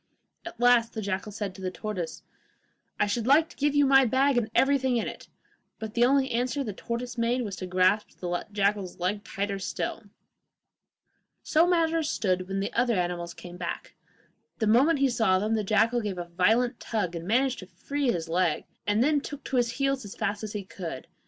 At last the jackal said to the tortoise, 'I should like to give you my bag and everything in it,' but the only answer the tortoise made was to grasp the jackal's leg tighter still. So matters stood when the other animals came back. The moment he saw them, the jackal gave a violent tug, and managed to free his leg, and then took to his heels as fast as he could.